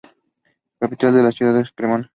Su capital es la ciudad de Cremona.